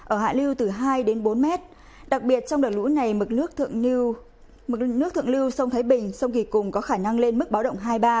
ở hạ lưu từ hai đến bốn mét đặc biệt trong đợt lũ này mực nước thượng lưu sông thái bình sông kỳ cùng có khả năng lên mức báo động hai ba